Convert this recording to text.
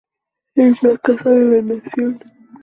El fracaso de la nación.